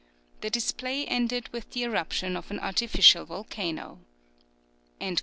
The display ended with the eruption of an artificial volcano."